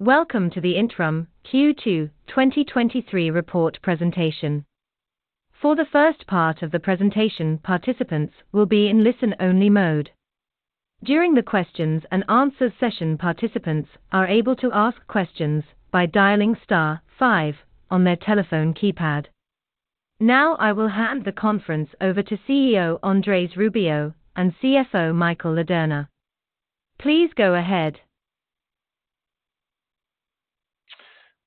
Welcome to the Intrum Q2 2023 report presentation. For the first part of the presentation, participants will be in listen-only mode. During the questions and answers session, participants are able to ask questions by dialing star five on their telephone keypad. I will hand the conference over to CEO Andrés Rubio and CFO Michael Ladurner. Please go ahead.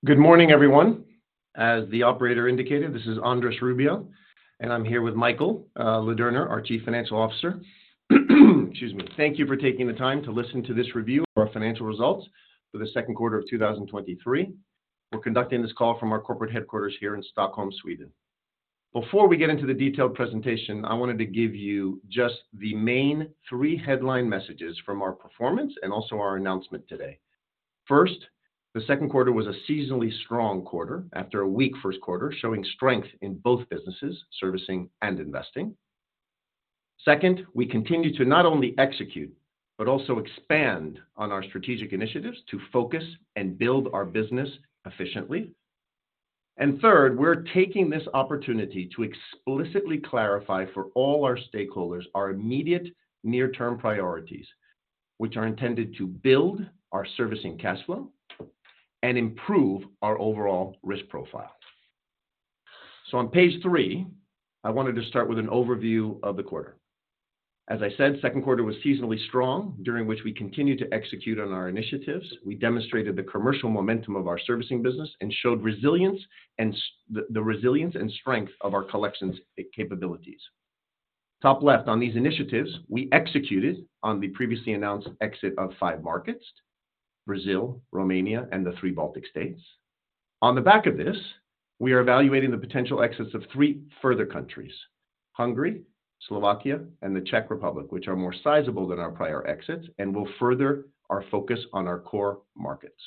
Good morning, everyone. As the operator indicated, this is Andrés Rubio, and I'm here with Michael Ladurner, our Chief Financial Officer. Excuse me. Thank you for taking the time to listen to this review of our financial results for the second quarter of 2023. We're conducting this call from our corporate headquarters here in Stockholm, Sweden. Before we get into the detailed presentation, I wanted to give you just the main three headline messages from our performance and also our announcement today. The second quarter was a seasonally strong quarter after a weak first quarter, showing strength in both businesses, servicing and investing. We continue to not only execute, but also expand on our strategic initiatives to focus and build our business efficiently. Third, we're taking this opportunity to explicitly clarify for all our stakeholders our immediate near-term priorities, which are intended to build our servicing cash flow and improve our overall risk profile. On page three, I wanted to start with an overview of the quarter. As I said, second quarter was seasonally strong, during which we continued to execute on our initiatives. We demonstrated the commercial momentum of our servicing business and showed the resilience and strength of our collections capabilities. Top left, on these initiatives, we executed on the previously announced exit of five markets: Brazil, Romania, and the three Baltic States. On the back of this, we are evaluating the potential exits of three further countries, Hungary, Slovakia and the Czech Republic, which are more sizable than our prior exits and will further our focus on our core markets.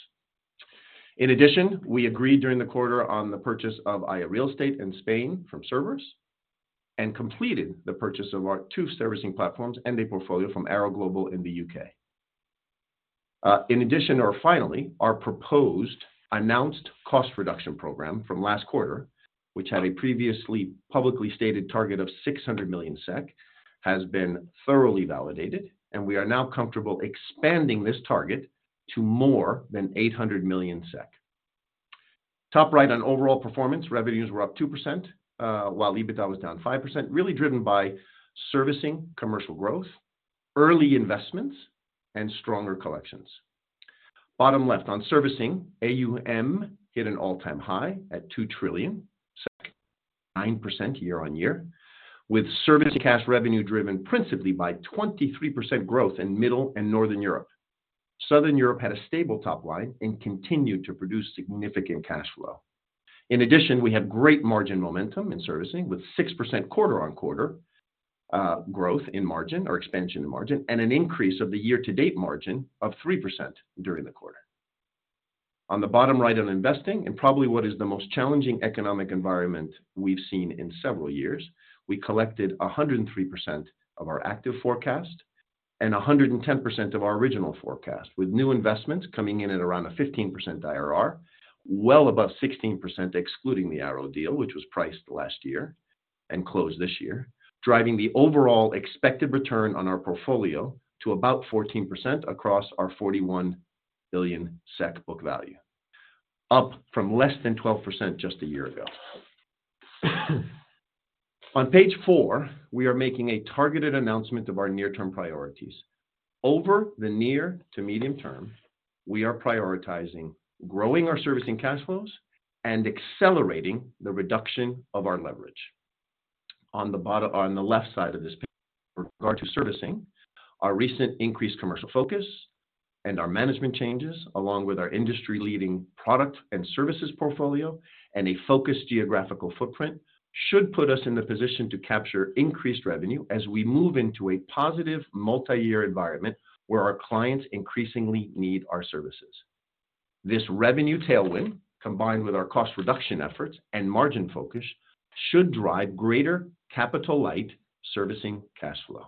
In addition, we agreed during the quarter on the purchase of Haya Real Estate in Spain from Cerberus, and completed the purchase of our two servicing platforms and a portfolio from Arrow Global in the U.K. In addition, our proposed announced cost reduction program from last quarter, which had a previously publicly stated target of 600 million SEK, has been thoroughly validated, and we are now comfortable expanding this target to more than 800 million SEK. Top right on overall performance, revenues were up 2%, while EBITDA was down 5%, really driven by servicing commercial growth, early investments, and stronger collections. Bottom left, on servicing, AUM hit an all-time high at 2 trillion, 9% year-on-year, with servicing cash revenue driven principally by 23% growth in Middle and Northern Europe. Southern Europe had a stable top line and continued to produce significant cash flow. We had great margin momentum in servicing, with 6% quarter-on-quarter growth in margin or expansion in margin, and an increase of the year-to-date margin of 3% during the quarter. In probably what is the most challenging economic environment we've seen in several years, we collected 103% of our active forecast and 110% of our original forecast, with new investments coming in at around a 15% IRR, well above 16%, excluding the Arrow deal, which was priced last year and closed this year, driving the overall expected return on our portfolio to about 14% across our 41 billion SEK book value, up from less than 12% just a year ago. On page four, we are making a targeted announcement of our near-term priorities. Over the near to medium term, we are prioritizing growing our servicing cash flows and accelerating the reduction of our leverage. On the bottom on the left side of this page, with regard to servicing, our recent increased commercial focus and our management changes, along with our industry-leading product and services portfolio and a focused geographical footprint, should put us in the position to capture increased revenue as we move into a positive multi-year environment where our clients increasingly need our services. This revenue tailwind, combined with our cost reduction efforts and margin focus, should drive greater capital-light servicing cash flow.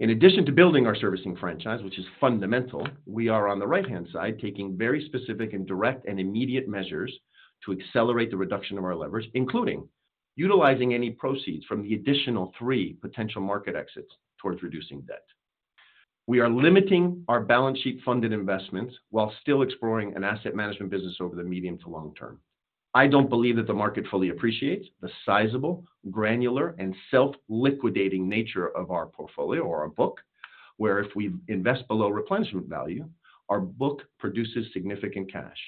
In addition to building our servicing franchise, which is fundamental, we are on the right-hand side, taking very specific and direct and immediate measures to accelerate the reduction of our leverage, including utilizing any proceeds from the additional three potential market exits towards reducing debt. We are limiting our balance sheet-funded investments while still exploring an asset management business over the medium to long term. I don't believe that the market fully appreciates the sizable, granular, and self-liquidating nature of our portfolio or our book, where if we invest below replenishment value, our book produces significant cash.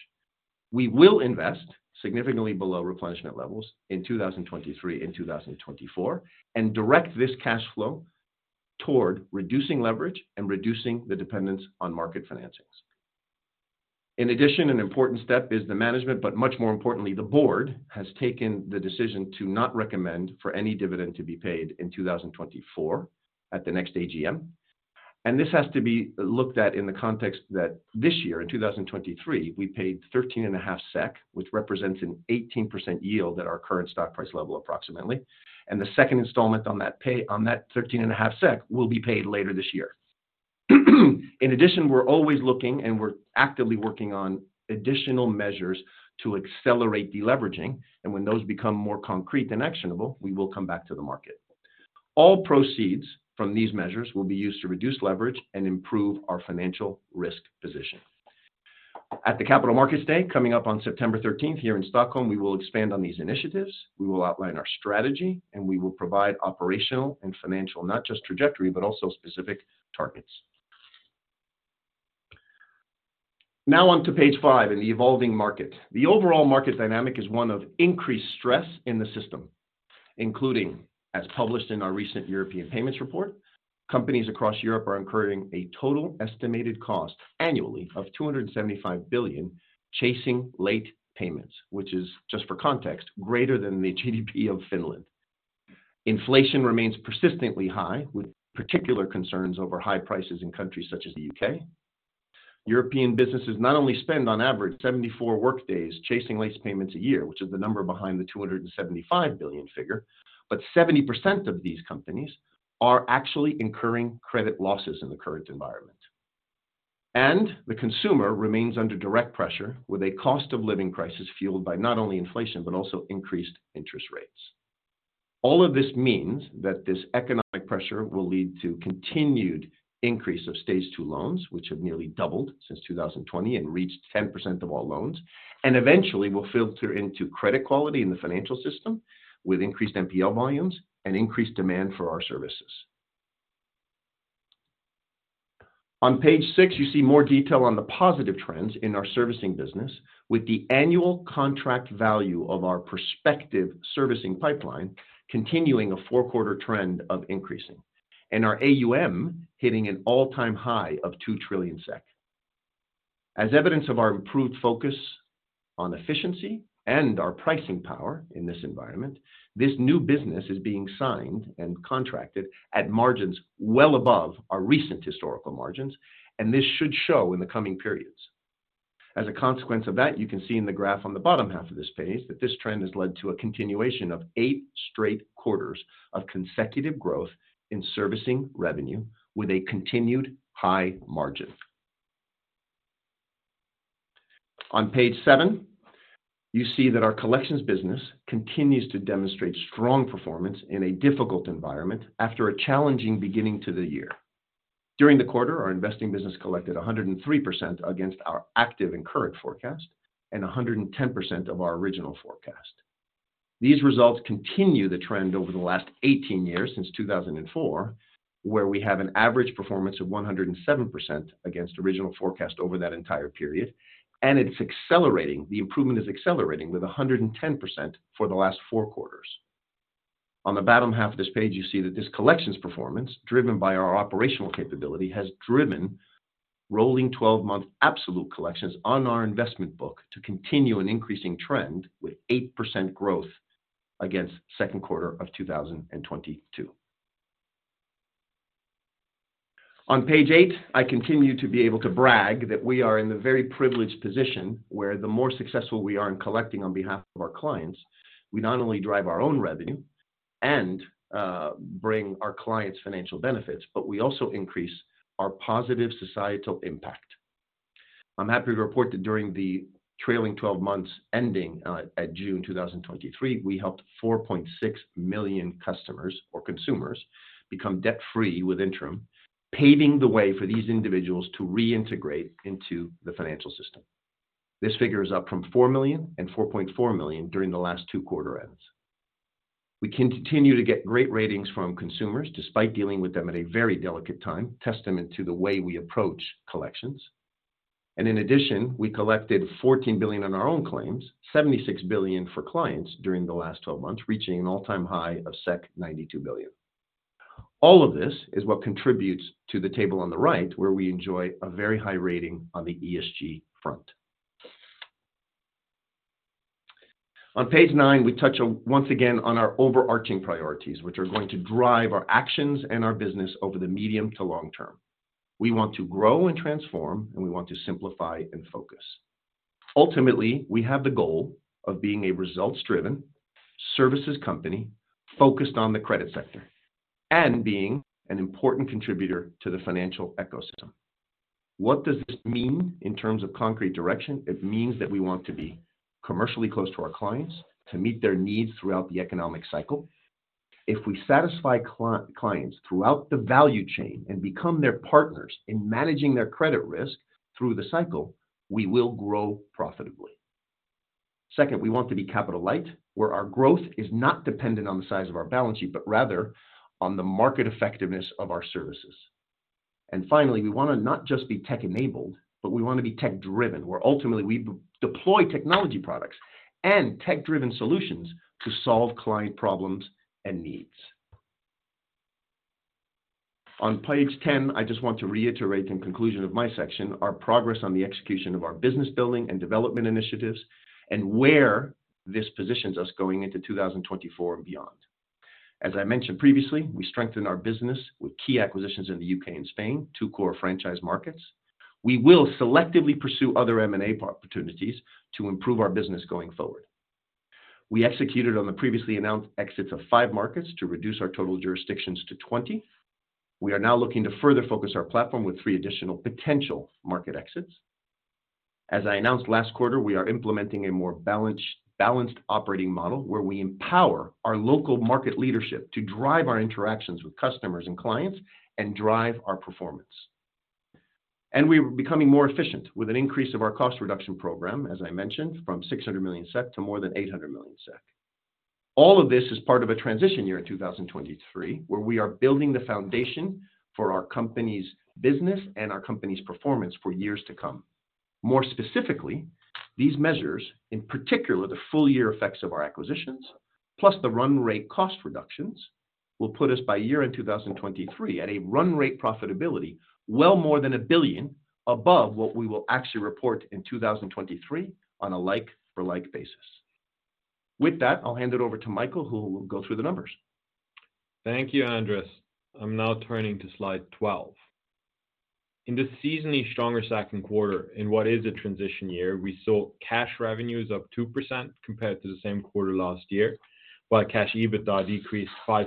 We will invest significantly below replenishment levels in 2023 and 2024, and direct this cash flow toward reducing leverage and reducing the dependence on market financings. In addition an important step is the management, but much more importantly, the board has taken the decision to not recommend for any dividend to be paid in 2024 at the next AGM. This has to be looked at in the context that this year, in 2023, we paid 13.5 SEK, which represents an 18% yield at our current stock price level, approximately, and the second installment on that pay, on that 13.5, will be paid later this year. In addition, we're always looking, and we're actively working on additional measures to accelerate deleveraging, and when those become more concrete and actionable, we will come back to the market. All proceeds from these measures will be used to reduce leverage and improve our financial risk position. At the Capital Markets Day, coming up on September 13th, here in Stockholm, we will expand on these initiatives, we will outline our strategy, and we will provide operational and financial, not just trajectory, but also specific targets. On to page five in the evolving market. The overall market dynamic is one of increased stress in the system, including, as published in our recent European Payment Report, companies across Europe are incurring a total estimated cost annually of 275 billion, chasing late payments, which is, just for context, greater than the GDP of Finland. Inflation remains persistently high, with particular concerns over high prices in countries such as the U.K. European businesses not only spend on average 74 work days chasing late payments a year, which is the number behind the 275 billion figure. 70% of these companies are actually incurring credit losses in the current environment. The consumer remains under direct pressure with a cost of living crisis, fueled by not only inflation, but also increased interest rates. All of this means that this economic pressure will lead to continued increase of stage two loans, which have nearly doubled since 2020 and reached 10% of all loans. Eventually will filter into credit quality in the financial system with increased NPL volumes and increased demand for our services. On page six, you see more detail on the positive trends in our servicing business, with the annual contract value of our prospective servicing pipeline continuing a four quarter trend of increasing, and our AUM hitting an all-time high of 2 trillion SEK. As evidence of our improved focus on efficiency and our pricing power in this environment, this new business is being signed and contracted at margins well above our recent historical margins, and this should show in the coming periods. As a consequence of that, you can see in the graph on the bottom half of this page, that this trend has led to a continuation of eight straight quarters of consecutive growth in servicing revenue with a continued high margin. On page seven, you see that our collections business continues to demonstrate strong performance in a difficult environment after a challenging beginning to the year. During the quarter, our investing business collected 103% against our active and current forecast and 110% of our original forecast. These results continue the trend over the last 18 years, since 2004, where we have an average performance of 107% against original forecast over that entire period. It's accelerating. The improvement is accelerating with 110% for the last four quarters. On the bottom half of this page, you see that this collections performance, driven by our operational capability, has driven rolling-12-month absolute collections on our investment book to continue an increasing trend with 8% growth against second quarter of 2022. On page eight, I continue to be able to brag that we are in the very privileged position where the more successful we are in collecting on behalf of our clients, we not only drive our own revenue and bring our clients financial benefits, but we also increase our positive societal impact. I'm happy to report that during the trailing 12 months ending at June 2023, we helped 4.6 million customers or consumers become debt-free with Intrum, paving the way for these individuals to reintegrate into the financial system. This figure is up from 4 million and 4.4 million during the last two quarter ends. We continue to get great ratings from consumers, despite dealing with them at a very delicate time, testament to the way we approach collections. In addition, we collected 14 billion on our own claims, 76 billion for clients during the last 12 months, reaching an all-time high of 92 billion. All of this is what contributes to the table on the right, where we enjoy a very high rating on the ESG front. On page nine, we touch once again on our overarching priorities, which are going to drive our actions and our business over the medium to long term. We want to grow and transform, and we want to simplify and focus. Ultimately, we have the goal of being a results-driven services company, focused on the credit sector and being an important contributor to the financial ecosystem. What does this mean in terms of concrete direction? It means that we want to be commercially close to our clients, to meet their needs throughout the economic cycle. If we satisfy clients throughout the value chain and become their partners in managing their credit risk through the cycle, we will grow profitably. Second, we want to be capital light, where our growth is not dependent on the size of our balance sheet, but rather on the market effectiveness of our services. Finally, we wanna not just be tech-enabled, but we want to be tech-driven, where ultimately we deploy technology products and tech-driven solutions to solve client problems and needs. On page 10, I just want to reiterate, in conclusion of my section, our progress on the execution of our business building and development initiatives and where this positions us going into 2024 and beyond. As I mentioned previously, we strengthened our business with key acquisitions in the U.K. and Spain, two core franchise markets. We will selectively pursue other M&A opportunities to improve our business going forward. We executed on the previously announced exits of five markets to reduce our total jurisdictions to 20. We are now looking to further focus our platform with three additional potential market exits. As I announced last quarter, we are implementing a more balanced operating model, where we empower our local market leadership to drive our interactions with customers and clients and drive our performance. We are becoming more efficient with an increase of our cost reduction program, as I mentioned, from 600 million SEK to more than 800 million SEK. All of this is part of a transition year in 2023, where we are building the foundation for our company's business and our company's performance for years to come. More specifically, these measures, in particular, the full year effects of our acquisitions, plus the run rate cost reductions, will put us by year end 2023 at a run rate profitability, well more than a billion above what we will actually report in 2023 on a like-for-like basis. With that, I'll hand it over to Michael, who will go through the numbers. Thank you, Andrés. I'm now turning to slide 12. In this seasonally stronger second quarter, in what is a transition year, we saw cash revenues up 2% compared to the same quarter last year, while cash EBITDA decreased 5%.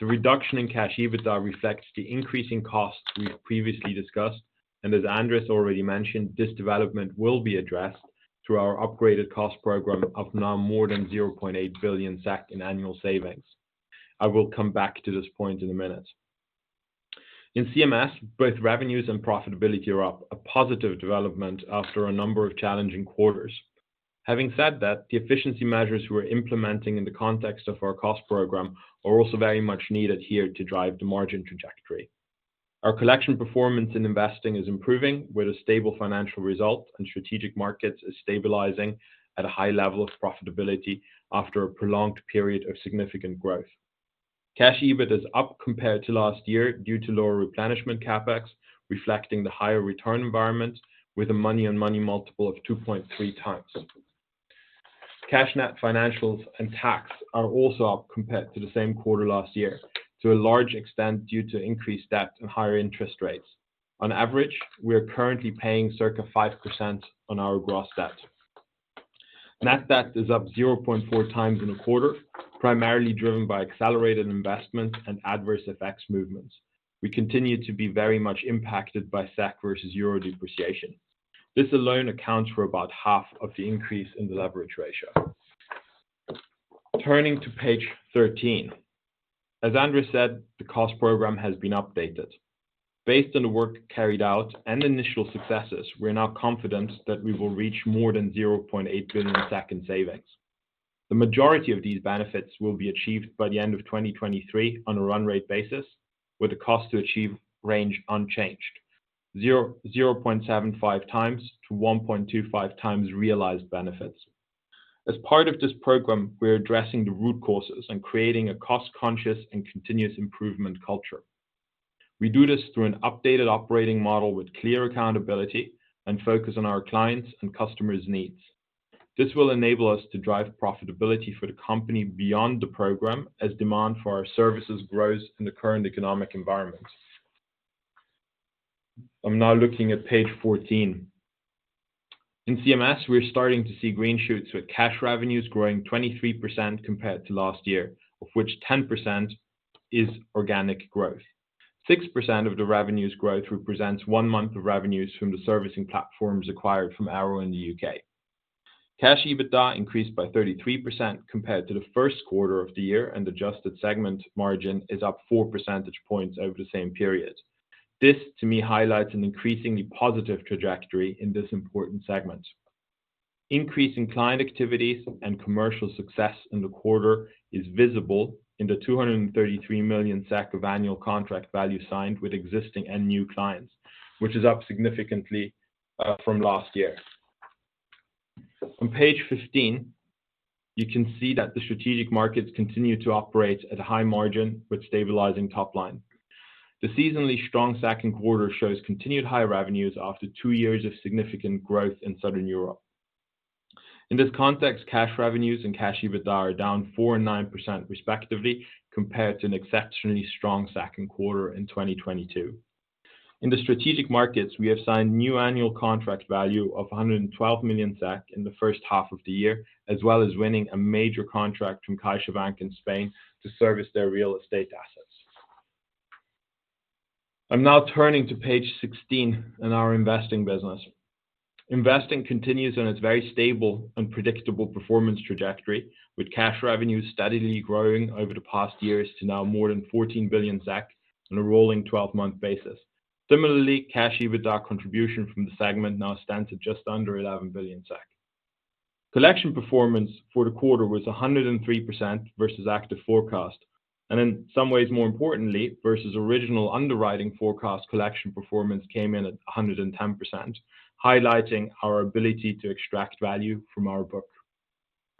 The reduction in cash EBITDA reflects the increasing costs we've previously discussed. As Andrés already mentioned, this development will be addressed through our upgraded cost program of now more than 0.8 billion in annual savings. I will come back to this point in a minute. In CMS, both revenues and profitability are up, a positive development after a number of challenging quarters. Having said that, the efficiency measures we're implementing in the context of our cost program are also very much needed here to drive the margin trajectory. Our collection performance in investing is improving, with a stable financial result. Strategic markets is stabilizing at a high level of profitability after a prolonged period of significant growth. Cash EBIT is up compared to last year due to lower replenishment CapEx, reflecting the higher return environment with a money on money multiple of 2.3x. Cash net financials and tax are also up compared to the same quarter last year, to a large extent due to increased debt and higher interest rates. On average, we are currently paying circa 5% on our gross debt. Net debt is up 0.4x in a quarter, primarily driven by accelerated investment and adverse effects movements. We continue to be very much impacted by SEK versus EUR depreciation. This alone accounts for about half of the increase in the leverage ratio. Turning to page 13. As Andrés said, the cost program has been updated. Based on the work carried out and initial successes, we are now confident that we will reach more than 0.8 billion in savings. The majority of these benefits will be achieved by the end of 2023 on a run rate basis, with the cost to achieve range unchanged, 0.75x-1.25x realized benefits. As part of this program, we are addressing the root causes and creating a cost-conscious and continuous improvement culture. We do this through an updated operating model with clear accountability and focus on our clients' and customers' needs. This will enable us to drive profitability for the company beyond the program as demand for our services grows in the current economic environment. I'm now looking at page 14. In CMS, we're starting to see green shoots, with cash revenues growing 23% compared to last year, of which 10% is organic growth. 6% of the revenues growth represents one month of revenues from the servicing platforms acquired from Arrow in the U.K. Cash EBITDA increased by 33% compared to the first quarter of the year, and adjusted segment margin is up four percentage points over the same period. This, to me, highlights an increasingly positive trajectory in this important segment. Increase in client activities and commercial success in the quarter is visible in the 233 million of annual contract value signed with existing and new clients, which is up significantly from last year. On page 15, you can see that the strategic markets continue to operate at a high margin with stabilizing top line. The seasonally strong second quarter shows continued high revenues after two years of significant growth in Southern Europe. In this context, cash revenues and cash EBITDA are down 4% and 9% respectively, compared to an exceptionally strong second quarter in 2022. In the strategic markets, we have signed new annual contract value of 112 million SEK in the first half of the year, as well as winning a major contract from CaixaBank in Spain to service their real estate assets. I'm now turning to page 16 in our investing business. Investing continues on its very stable and predictable performance trajectory, with cash revenues steadily growing over the past years to now more than 14 billion on a rolling 12-month basis. Similarly, cash EBITDA contribution from the segment now stands at just under 11 billion SEK. Collection performance for the quarter was 103% versus active forecast, and in some ways, more importantly, versus original underwriting forecast, collection performance came in at 110%, highlighting our ability to extract value from our book.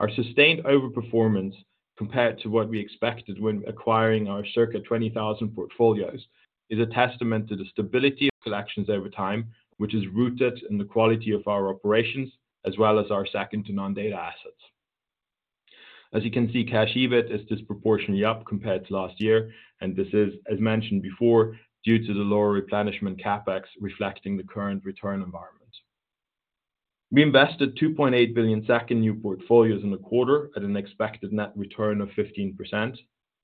Our sustained overperformance compared to what we expected when acquiring our circa 20,000 portfolios, is a testament to the stability of collections over time, which is rooted in the quality of our operations, as well as our second to none data assets. As you can see, cash EBIT is disproportionately up compared to last year, and this is, as mentioned before, due to the lower replenishment CapEx, reflecting the current return environment. We invested 2.8 billion in new portfolios in the quarter at an expected net return of 15%,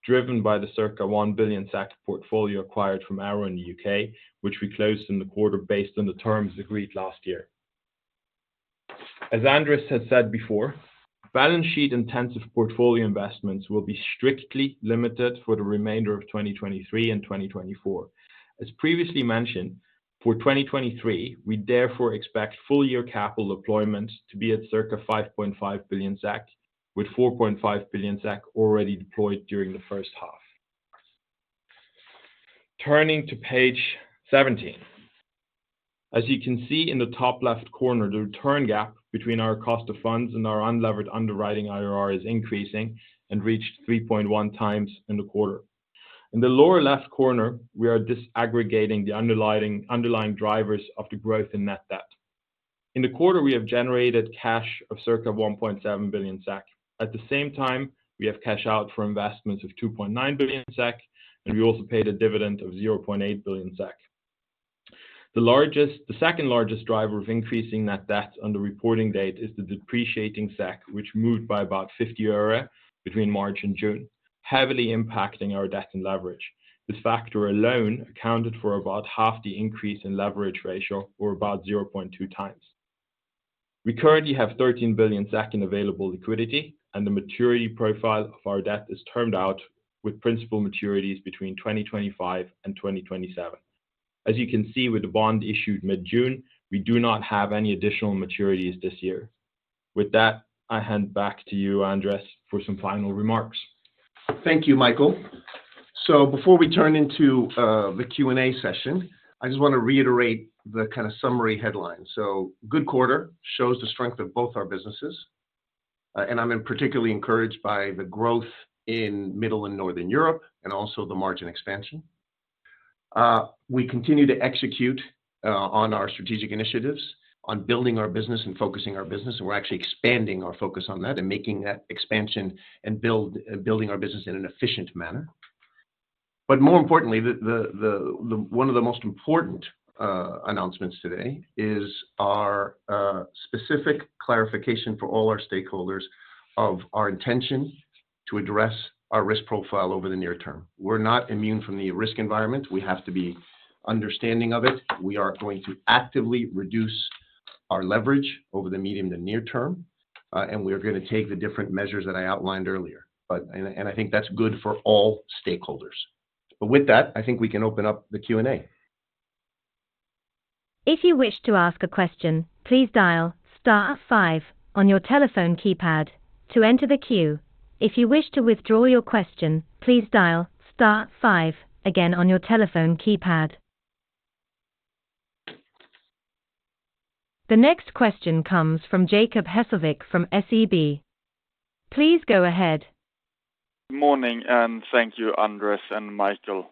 driven by the circa 1 billion portfolio acquired from Arrow in the U.K., which we closed in the quarter based on the terms agreed last year. As Andrés has said before, balance sheet-intensive portfolio investments will be strictly limited for the remainder of 2023 and 2024. As previously mentioned, for 2023, we therefore expect full year capital deployment to be at circa 5.5 billion, with 4.5 billion already deployed during the first half. Turning to page 17. As you can see in the top left corner, the return gap between our cost of funds and our unlevered underwriting IRR is increasing and reached 3.1x in the quarter. In the lower left corner, we are disaggregating the underlying drivers of the growth in net debt. In the quarter, we have generated cash of circa 1.7 billion SEK. At the same time, we have cash out for investments of 2.9 billion SEK. We also paid a dividend of 0.8 billion SEK. The second-largest driver of increasing net debt on the reporting date is the depreciating SEK, which moved by about 50 euro between March and June, heavily impacting our debt and leverage. This factor alone accounted for about half the increase in leverage ratio, or about 0.2x. We currently have 13 billion in available liquidity. The maturity profile of our debt is termed out with principal maturities between 2025 and 2027. As you can see with the bond issued mid-June, we do not have any additional maturities this year. With that, I hand back to you, Andrés, for some final remarks. Thank you, Michael. Before we turn into the Q&A session, I just want to reiterate the kind of summary headlines. Good quarter, shows the strength of both our businesses, and I'm particularly encouraged by the growth in Middle and Northern Europe and also the margin expansion. We continue to execute on our strategic initiatives on building our business and focusing our business, and we're actually expanding our focus on that and making that expansion and building our business in an efficient manner. More importantly, the one of the most important announcements today is our specific clarification for all our stakeholders of our intention to address our risk profile over the near term. We're not immune from the risk environment. We have to be understanding of it. We are going to actively reduce our leverage over the medium to near term, and we are going to take the different measures that I outlined earlier. I think that's good for all stakeholders. With that, I think we can open up the Q&A. If you wish to ask a question, please dial star five on your telephone keypad to enter the queue. If you wish to withdraw your question, please dial star five again on your telephone keypad. The next question comes from Jacob Hesslevik from SEB. Please go ahead. Morning. Thank you, Andrés and Michael.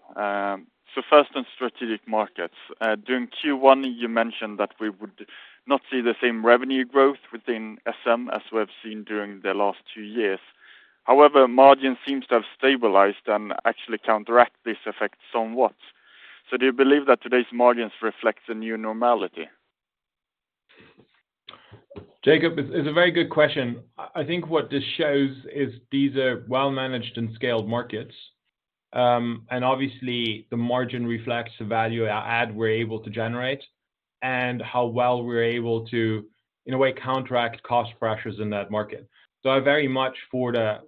First, on strategic markets, during Q1, you mentioned that we would not see the same revenue growth within SM as we have seen during the last two years. However, margin seems to have stabilized and actually counteract this effect somewhat. Do you believe that today's margins reflect the new normality? Jacob, it's a very good question. I think what this shows is these are well-managed and scaled markets, and obviously, the margin reflects the value our ad we're able to generate and how well we're able to, in a way, counteract cost pressures in that market. I very much for the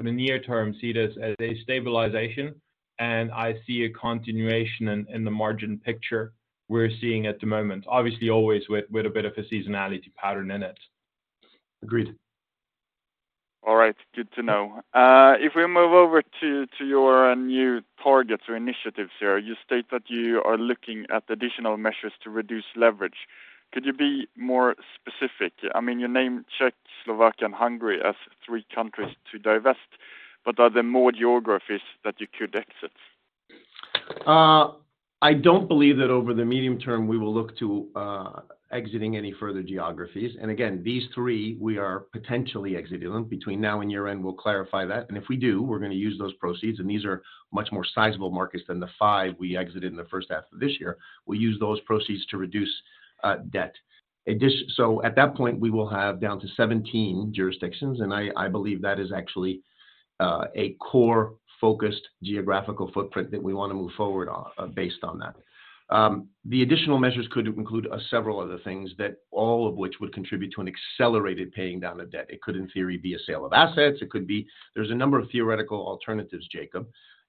near term, see this as a stabilization, and I see a continuation in the margin picture we're seeing at the moment, obviously, always with a bit of a seasonality pattern in it. Agreed. All right. Good to know. If we move over to your new targets or initiatives here, you state that you are looking at additional measures to reduce leverage. Could you be more specific? I mean, you named Czech, Slovakia, and Hungary as three countries to divest, but are there more geographies that you could exit? I don't believe that over the medium term, we will look to exiting any further geographies. Again, these three, we are potentially exiting them. Between now and year-end, we'll clarify that, and if we do, we're gonna use those proceeds, and these are much more sizable markets than the five we exited in the first half of this year. We'll use those proceeds to reduce debt. At that point, we will have down to 17 jurisdictions, and I believe that is actually a core-focused geographical footprint that we want to move forward on based on that. The additional measures could include several other things that all of which would contribute to an accelerated paying down of debt. It could, in theory, be a sale of assets, it could be... There's a number of theoretical alternatives, Jacob,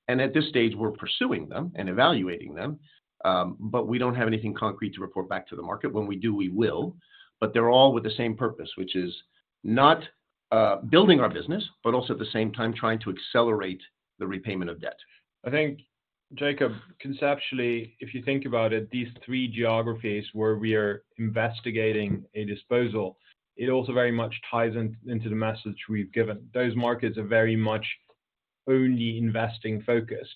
and at this stage, we're pursuing them and evaluating them, but we don't have anything concrete to report back to the market. When we do, we will, but they're all with the same purpose, which is not building our business, but also at the same time trying to accelerate the repayment of debt. I think, Jacob, conceptually, if you think about it, these three geographies where we are investigating a disposal, it also very much ties in, into the message we've given. Those markets are very much only investing focused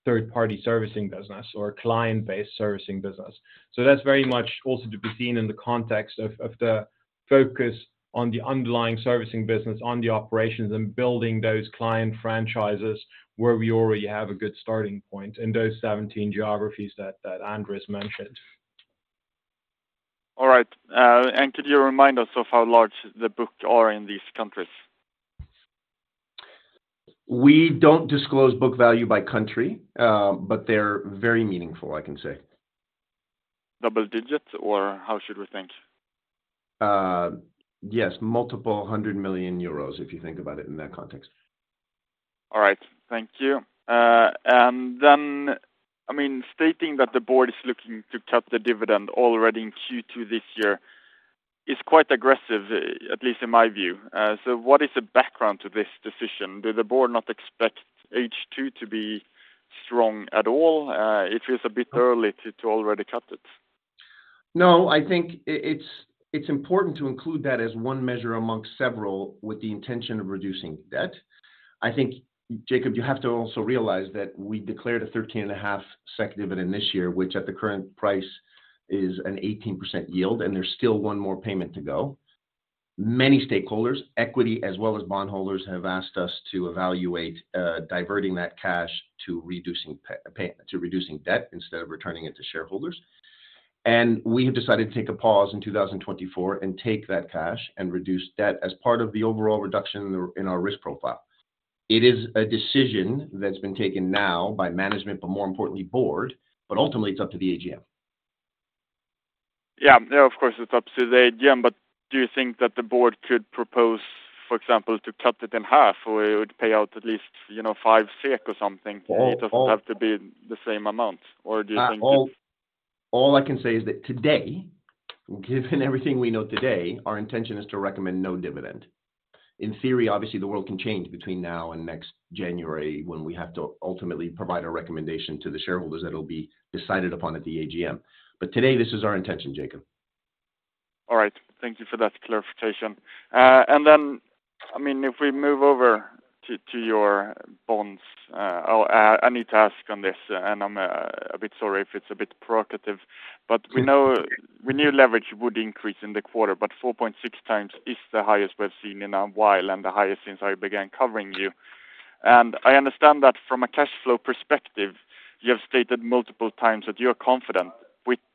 and don't really have a third-party servicing business or a client-based servicing business. That's very much also to be seen in the context of the focus on the underlying servicing business, on the operations, and building those client franchises where we already have a good starting point in those 17 geographies that Andrés mentioned. All right. Could you remind us of how large the booked are in these countries? We don't disclose book value by country, but they're very meaningful, I can say. Double digits, or how should we think? Yes, multiple hundred million EUR, if you think about it in that context. All right. Thank you. I mean, stating that the board is looking to cut the dividend already in Q2 this year is quite aggressive, at least in my view. What is the background to this decision? Did the board not expect H2 to be strong at all? It feels a bit early to already cut it. I think it's important to include that as one measure amongst several with the intention of reducing debt. I think, Jacob, you have to also realize that we declared a thirteen and a half SEK second dividend this year, which at the current price is an 18% yield, and there's still one more payment to go. Many stakeholders, equity as well as bondholders, have asked us to evaluate diverting that cash to reducing debt instead of returning it to shareholders. We have decided to take a pause in 2024 and take that cash and reduce debt as part of the overall reduction in the, in our risk profile. It is a decision that's been taken now by management, but more importantly, board, but ultimately, it's up to the AGM. Yeah. Yeah, of course, it's up to the AGM, do you think that the board could propose, for example, to cut it in half, or it would pay out at least, you know, 5 SEK or something? All. It doesn't have to be the same amount. Do you think it... All I can say is that today, given everything we know today, our intention is to recommend no dividend. In theory, obviously, the world can change between now and next January, when we have to ultimately provide a recommendation to the shareholders that will be decided upon at the AGM. Today, this is our intention, Jacob. All right. Thank you for that clarification. I mean, if we move over to your bonds. Oh, I need to ask on this, and I'm a bit sorry if it's a bit prerogative, but we know- Mm-hmm. we knew leverage would increase in the quarter, but 4.6x is the highest we've seen in a while and the highest since I began covering you. I understand that from a cash flow perspective, you have stated multiple times that you're confident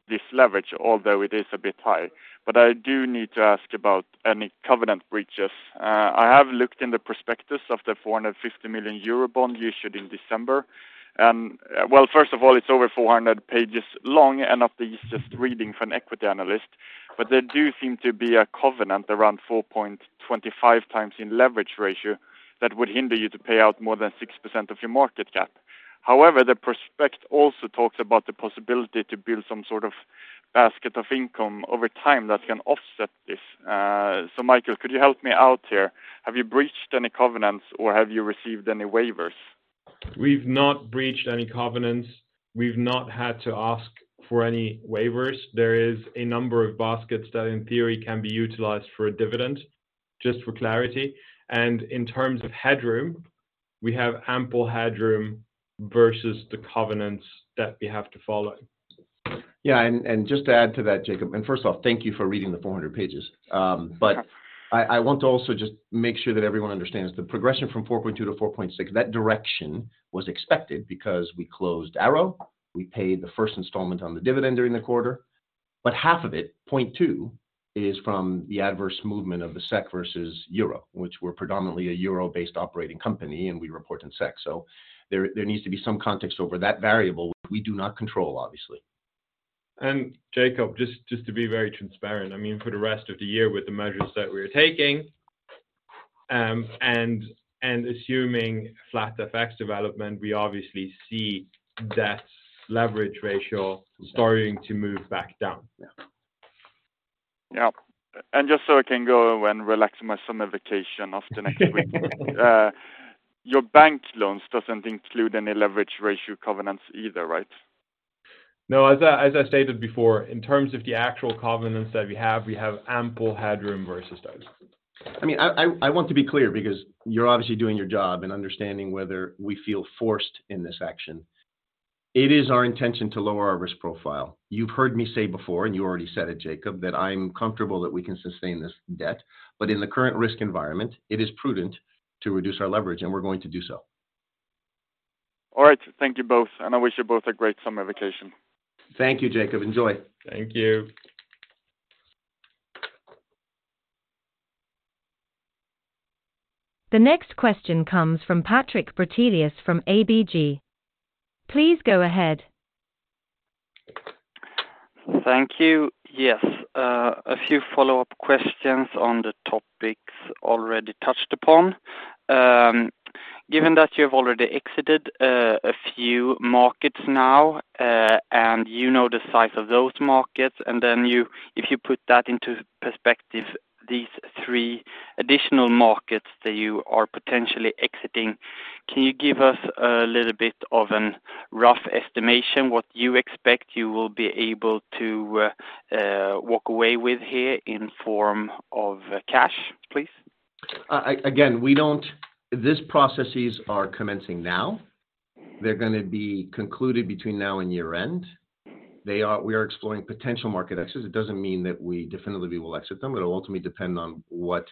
with this leverage, although it is a bit high. I do need to ask about any covenant breaches. I have looked in the prospectus of the 450 million euro bond issued in December. First of all, it's over 400 pages long, and not the easiest reading for an equity analyst, but there do seem to be a covenant around 4.25x in leverage ratio that would hinder you to pay out more than 6% of your market cap. However, the prospect also talks about the possibility to build some sort of basket of income over time that can offset this. Michael, could you help me out here? Have you breached any covenants or have you received any waivers? We've not breached any covenants. We've not had to ask for any waivers. There is a number of baskets that, in theory, can be utilized for a dividend, just for clarity. In terms of headroom, we have ample headroom versus the covenants that we have to follow. Just to add to that, Jacob, and first of all, thank you for reading the 400 pages. I want to also just make sure that everyone understands the progression from 4.2 to 4.6, that direction was expected because we closed Arrow, we paid the first installment on the dividend during the quarter, but half of it, 0.2, is from the adverse movement of the SEK versus Euro, which we're predominantly a euro-based operating company, and we report in SEK. There needs to be some context over that variable, which we do not control, obviously. And Jacob, just to be very transparent, I mean, for the rest of the year, with the measures that we are taking, and assuming flat effects development, we obviously see that leverage ratio starting to move back down. Yeah. Yeah. Just so I can go and relax my summer vacation off the next week. Your bank loans doesn't include any leverage ratio covenants either, right? As I stated before, in terms of the actual covenants that we have, we have ample headroom versus that. I mean, I want to be clear, because you're obviously doing your job and understanding whether we feel forced in this action. It is our intention to lower our risk profile. You've heard me say before, and you already said it, Jacob, that I'm comfortable that we can sustain this debt, but in the current risk environment, it is prudent to reduce our leverage, and we're going to do so. All right. Thank you both, and I wish you both a great summer vacation. Thank you, Jacob. Enjoy. Thank you. The next question comes from Patrik Brattelius from ABG. Please go ahead. Thank you. Yes, a few follow-up questions on the topics already touched upon. Given that you've already exited, a few markets now, and you know the size of those markets, and then if you put that into perspective, these three additional markets that you are potentially exiting. Can you give us a little bit of an rough estimation, what you expect you will be able to, walk away with here in form of cash, please? Again, these processes are commencing now. They're gonna be concluded between now and year-end. We are exploring potential market exits. It doesn't mean that we definitively will exit them, it'll ultimately depend on what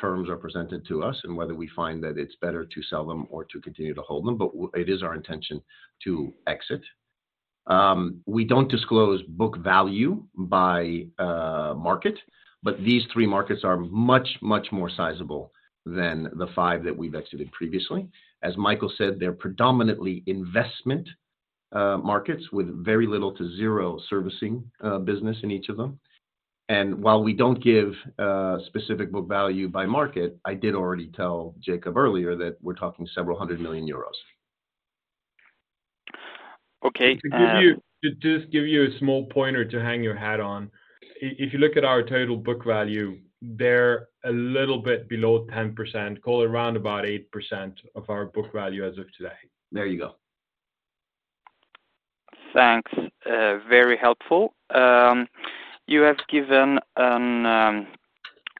terms are presented to us and whether we find that it's better to sell them or to continue to hold them, but it is our intention to exit. We don't disclose book value by market, but these three markets are much, much more sizable than the five that we've exited previously. As Michael said, they're predominantly investment markets with very little to zero servicing business in each of them. While we don't give specific book value by market, I did already tell Jacob earlier that we're talking several hundred million EUR. Okay. To just give you a small pointer to hang your hat on, if you look at our total book value, they're a little bit below 10%, call it around about 8% of our book value as of today. There you go. Thanks, very helpful. You have given a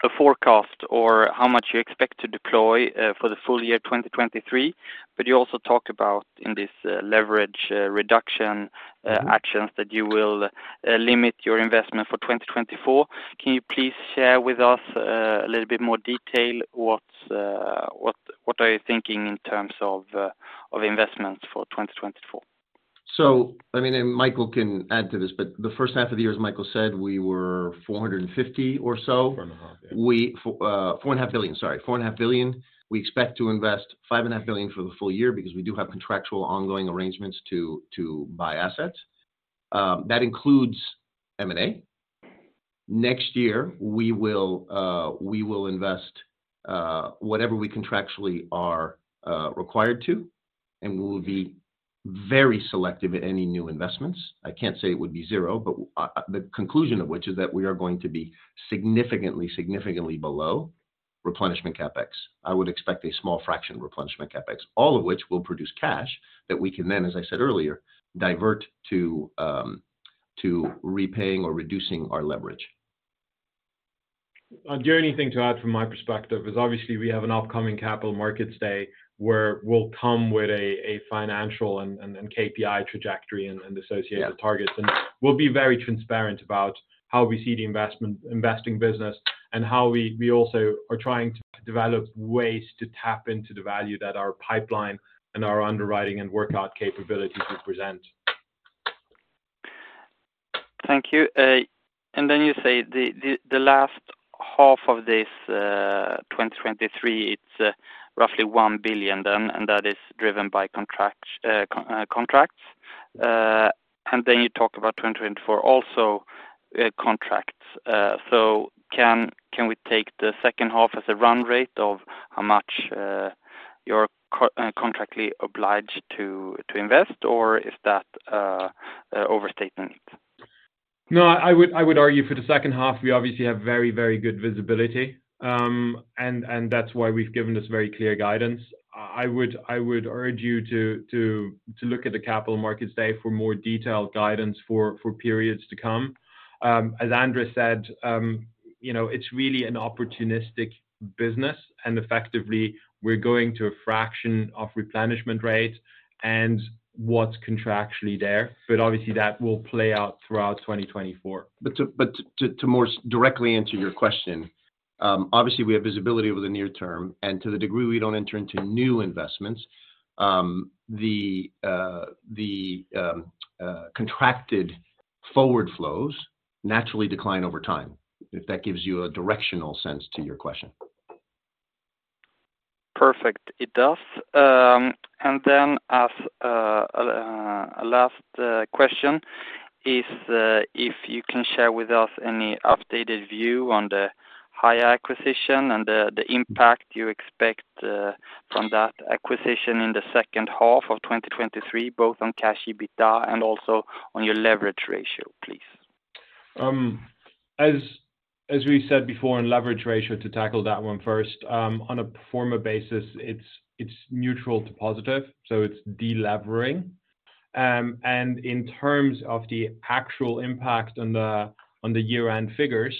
forecast or how much you expect to deploy for the full year 2023, but you also talk about in this leverage reduction actions that you will limit your investment for 2024. Can you please share with us a little bit more detail, what, what are you thinking in terms of investments for 2024? I mean, and Michael can add to this, but the first half of the year, as Michael said, we were 450 or so. Four and a half, yeah. We 4.5 billion, sorry 4.5 billion. We expect to invest 5.5 billion for the full year because we do have contractual ongoing arrangements to buy assets. That includes M&A. Next year, we will invest whatever we contractually are required to. We will be very selective at any new investments. I can't say it would be zero, but the conclusion of which is that we are going to be significantly below replenishment CapEx. I would expect a small fraction replenishment CapEx, all of which will produce cash that we can then, as I said earlier, divert to repaying or reducing our leverage. The only thing to add from my perspective is, obviously, we have an upcoming Capital Markets Day, where we'll come with a financial and KPI trajectory. The associate targets. We'll be very transparent about how we see the investing business and how we also are trying to develop ways to tap into the value that our pipeline and our underwriting and workout capability will present. Thank you. Then you say the last half of this 2023, it's roughly 1 billion then, and that is driven by contracts. Then you talk about 2024, also, contracts. Can we take the second half as a run rate of how much you're contractually obliged to invest, or is that an overstatement? I would argue for the second half, we obviously have very good visibility. That's why we've given this very clear guidance. I would urge you to look at the Capital Markets Day for more detailed guidance for periods to come. As Andrés said, you know, it's really an opportunistic business, and effectively, we're going to a fraction of replenishment rates and what's contractually there. Obviously, that will play out throughout 2024. To more directly answer your question, obviously, we have visibility over the near term, and to the degree we don't enter into new investments, the contracted forward flows naturally decline over time, if that gives you a directional sense to your question. Perfect. It does. As a last question, is, if you can share with us any updated view on the Haya acquisition and the impact you expect from that acquisition in the second half of 2023, both on cash EBITDA and also on your leverage ratio, please. As we said before, in leverage ratio, to tackle that one first, on a pro forma basis, it's neutral to positive, so it's delevering. In terms of the actual impact on the year-end figures,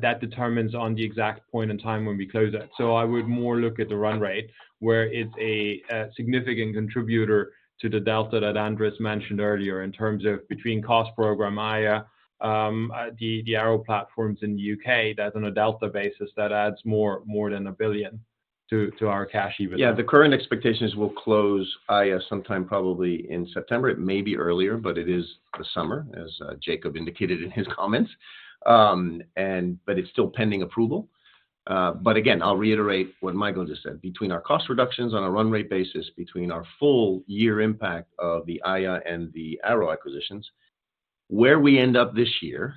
that determines on the exact point in time when we close that. I would more look at the run rate, where it's a significant contributor to the delta that Andrés mentioned earlier, in terms of between cost program Haya, the Arrow platforms in the U.K., that on a delta basis, that adds more than 1 billion to our cash EBITDA. Yeah, the current expectations will close Haya sometime, probably in September. It may be earlier, but it is the summer, as Jacob indicated in his comments. It's still pending approval. Again, I'll reiterate what Michael just said. Between our cost reductions on a run rate basis, between our full year impact of the Haya and the Arrow acquisitions, where we end up this year,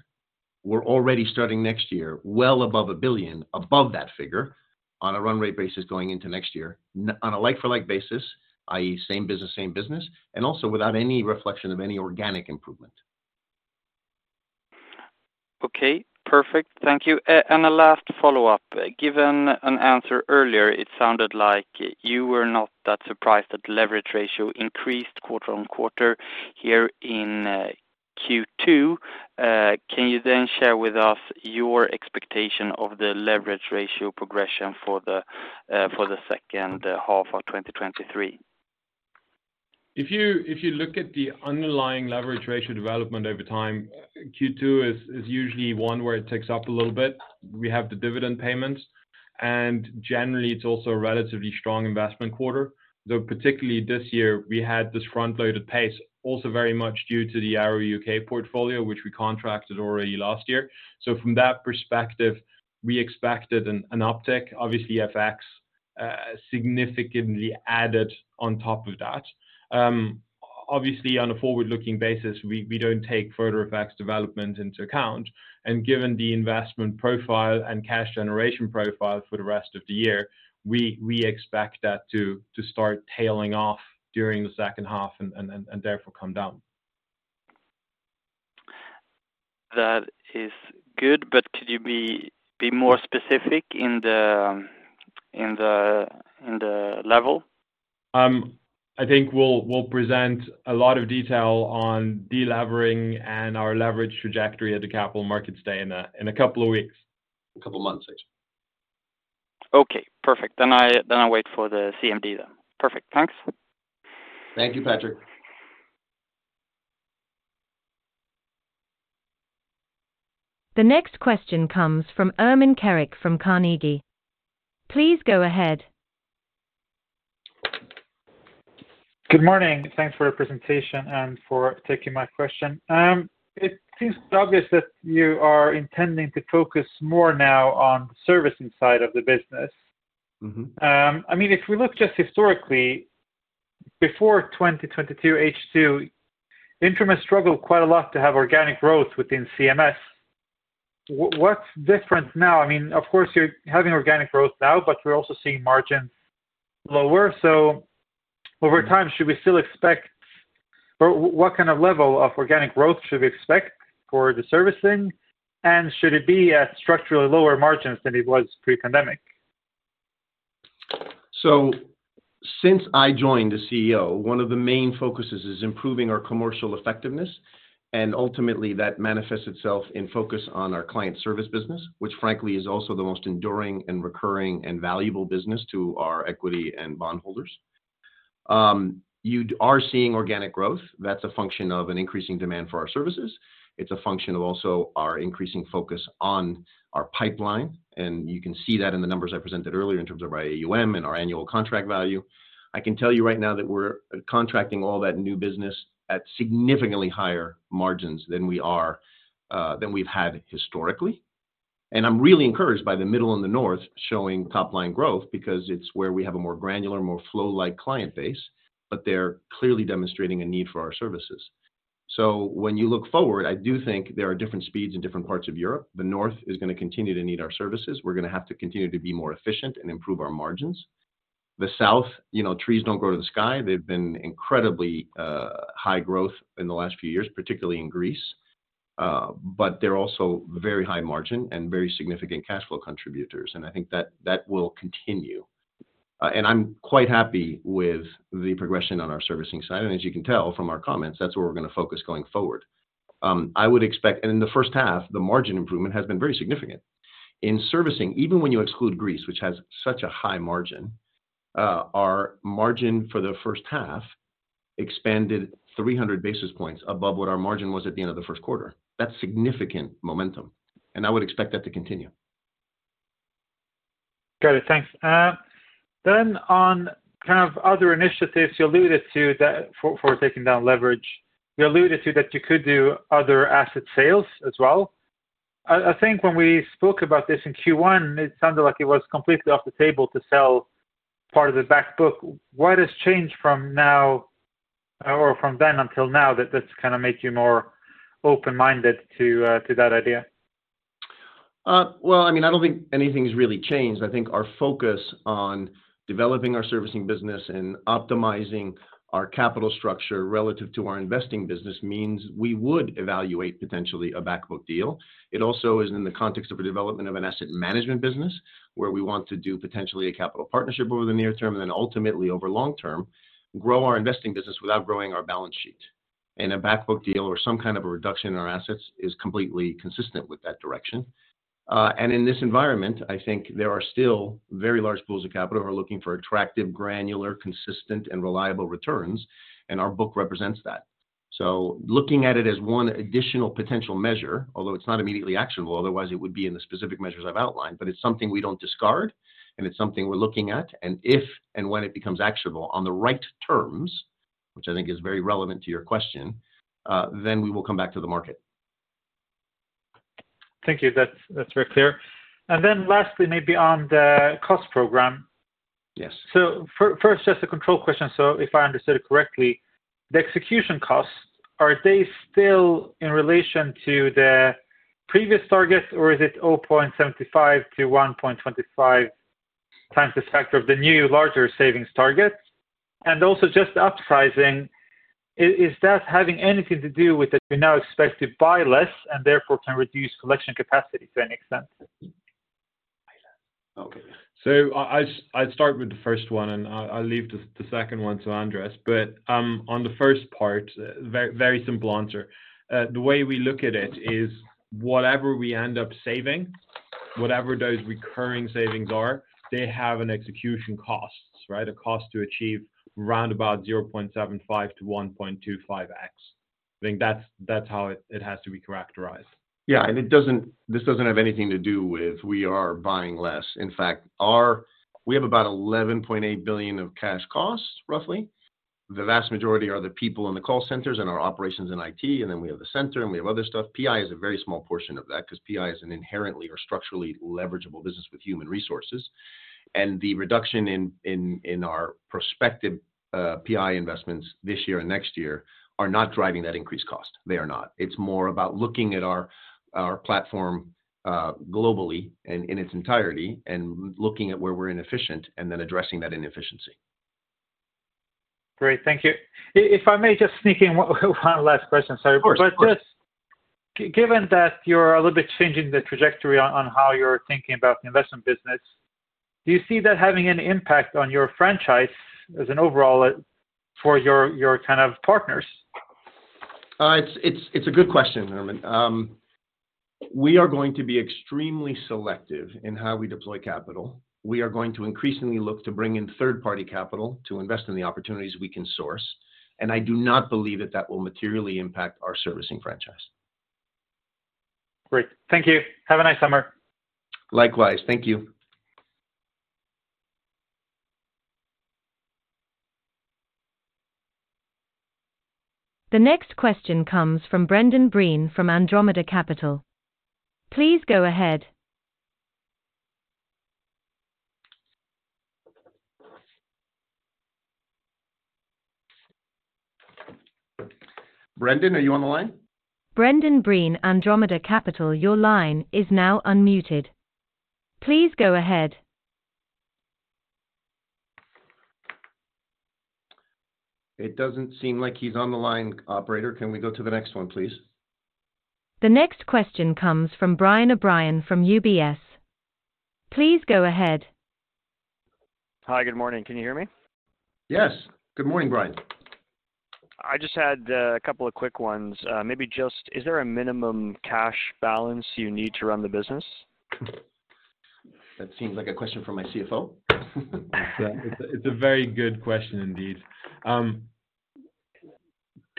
we're already starting next year well above 1 billion, above that figure, on a run rate basis going into next year. On a like-for-like basis, i.e., same business, and also without any reflection of any organic improvement. Okay, perfect. Thank you. A last follow-up. Given an answer earlier, it sounded like you were not that surprised that the leverage ratio increased quarter-on-quarter here in Q2. Can you then share with us your expectation of the leverage ratio progression for the second half of 2023? If you look at the underlying leverage ratio development over time, Q2 is usually one where it ticks up a little bit. We have the dividend payments, and generally, it's also a relatively strong investment quarter, though particularly this year, we had this front-loaded pace, also very much due to the Arrow U.K. portfolio, which we contracted already last year. From that perspective, we expected an uptick. Obviously, FX significantly added on top of that. Obviously, on a forward-looking basis, we don't take further effects development into account, and given the investment profile and cash generation profile for the rest of the year, we expect that to start tailing off during the second half and therefore come down. That is good, but could you be more specific in the level? I think we'll present a lot of detail on delevering and our leverage trajectory at the Capital Markets Day in a couple of weeks. A couple of months, actually. Okay, perfect. I, then I'll wait for the CMD then. Perfect. Thanks. Thank you, Patrik. The next question comes from Ermin Keric from Carnegie. Please go ahead. Good morning. Thanks for your presentation and for taking my question. It seems obvious that you are intending to focus more now on the servicing side of the business. Mm-hmm. I mean, if we look just historically, before 2022 H2, Intrum has struggled quite a lot to have organic growth within CMS. What's different now? I mean, of course, you're having organic growth now, but we're also seeing margins lower. Over time, should we still expect or what kind of level of organic growth should we expect for the servicing? Should it be at structurally lower margins than it was pre-pandemic? Since I joined as CEO, one of the main focuses is improving our commercial effectiveness, and ultimately, that manifests itself in focus on our client service business, which frankly, is also the most enduring and recurring and valuable business to our equity and bondholders. You are seeing organic growth. That's a function of an increasing demand for our services. It's a function of also our increasing focus on our pipeline, and you can see that in the numbers I presented earlier in terms of our AUM and our annual contract value. I can tell you right now that we're contracting all that new business at significantly higher margins than we are than we've had historically. I'm really encouraged by the middle and the North showing top-line growth because it's where we have a more granular, more flow-like client base, but they're clearly demonstrating a need for our services. When you look forward, I do think there are different speeds in different parts of Europe. The North is gonna continue to need our services. We're gonna have to continue to be more efficient and improve our margins. The South, you know, trees don't grow to the sky. They've been incredibly high growth in the last few years, particularly in Greece, but they're also very high margin and very significant cash flow contributors, and I think that will continue. I'm quite happy with the progression on our servicing side, and as you can tell from our comments, that's where we're gonna focus going forward. I would expect in the first half, the margin improvement has been very significant. In servicing, even when you exclude Greece, which has such a high margin, our margin for the first half expanded 300 basis points above what our margin was at the end of the first quarter. That's significant momentum. I would expect that to continue. Got it, thanks. On kind of other initiatives, you alluded to that for taking down leverage, you alluded to that you could do other asset sales as well. I think when we spoke about this in Q1, it sounded like it was completely off the table to sell part of the back book. What has changed from now, or from then until now, that this kind of make you more open-minded to that idea? Well, I mean, I don't think anything's really changed. I think our focus on developing our servicing business and optimizing our capital structure relative to our investing business means we would evaluate potentially a back book deal. It also is in the context of a development of an asset management business, where we want to do potentially a capital partnership over the near term, and then ultimately, over long term, grow our investing business without growing our balance sheet. A back book deal or some kind of a reduction in our assets is completely consistent with that direction. In this environment, I think there are still very large pools of capital who are looking for attractive, granular, consistent, and reliable returns, and our book represents that. Looking at it as one additional potential measure, although it's not immediately actionable, otherwise it would be in the specific measures I've outlined, but it's something we don't discard, and it's something we're looking at. If and when it becomes actionable on the right terms, which I think is very relevant to your question, then we will come back to the market. Thank you. That's very clear. Then lastly, maybe on the cost program. Yes. First, just a control question? If I understood it correctly, the execution costs, are they still in relation to the previous targets, or is it 0.75-1.25x this factor of the new, larger savings target? Also just the up pricing, is that having anything to do with that you now expect to buy less and therefore can reduce collection capacity to any extent? I'll start with the first one, and I'll leave the second one to Andrés Rubio. On the first part, very, very simple answer. The way we look at it is whatever we end up saving, whatever those recurring savings are, they have an execution cost, right? A cost to achieve around about 0.75-1.25x. I think that's how it has to be characterized. Yeah. It doesn't have anything to do with we are buying less. In fact, our we have about 11.8 billion of cash costs, roughly. The vast majority are the people in the call centers and our operations in IT, and then we have the center, and we have other stuff. PI is a very small portion of that because PI is an inherently or structurally leverageable business with human resources. The reduction in our prospective PI investments this year and next year are not driving that increased cost. They are not. It's more about looking at our platform globally and in its entirety and looking at where we're inefficient and then addressing that inefficiency. Great. Thank you. If I may just sneak in one last question. Sorry. Of course. Just given that you're a little bit changing the trajectory on how you're thinking about the investment business, do you see that having any impact on your franchise as an overall, for your kind of partners? It's a good question, Ermin. We are going to be extremely selective in how we deploy capital. We are going to increasingly look to bring in third-party capital to invest in the opportunities we can source, and I do not believe that that will materially impact our servicing franchise. Great. Thank you. Have a nice summer. Likewise. Thank you. The next question comes from Brendan Breen from Andromeda Capital. Please go ahead. Brendan, are you on the line? Brendan Breen, Andromeda Capital, your line is now unmuted. Please go ahead. It doesn't seem like he's on the line. Operator, can we go to the next one, please? The next question comes from Will O'Brien from UBS. Please go ahead. Hi, good morning. Can you hear me? Yes. Good morning, Brien. I just had a couple of quick ones. Maybe just, is there a minimum cash balance you need to run the business? That seems like a question for my CFO. It's a very good question indeed.